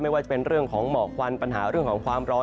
ว่าจะเป็นเรื่องของหมอกควันปัญหาเรื่องของความร้อน